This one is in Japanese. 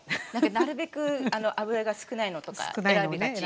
なるべく脂が少ないのとか選びがち。